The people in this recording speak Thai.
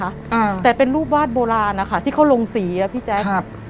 อ่าแต่เป็นรูปวาดโบราณนะคะที่เขาลงสีอ่ะพี่แจ๊คครับ